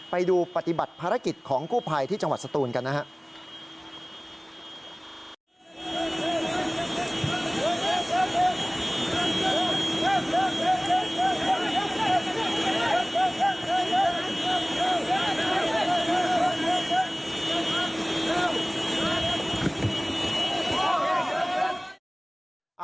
ไปดูปฏิบัติภารกิจของกู้ภัยที่จังหวัดสตูนกันนะครับ